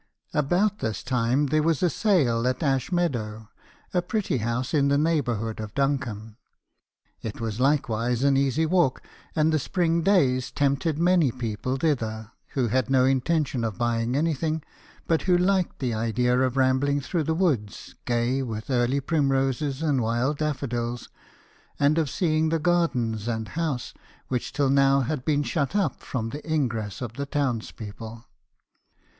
"About this time there was a sale at Ashmeadow, a pretty house in the neighbourhood of Duncombe. It was likewise an easy walk, and the spring days tempted many people thither, who had no intention of buying anything, but who liked the idea of rambling through the woods, gay with early primroses and wild daffodils, and of seeing the gardens and house, which till now had been shut up from the ingress of the town's people.